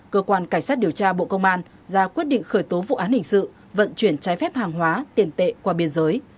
cơ quan cảnh sát điều tra bộ công an ra quyết định khởi tố vụ án hình sự vận chuyển trái phép hàng hóa tiền tệ qua biên giới